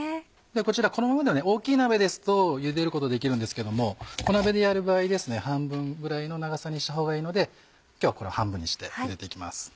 こちらこのままでは大きい鍋ですとゆでることできるんですけども小鍋でやる場合半分ぐらいの長さにしたほうがいいので今日はこの半分にして入れて行きます。